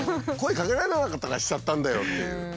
声かけられなかったからしちゃったんだよっていう。